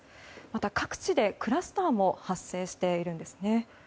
各地でクラスターも発生しているんですね。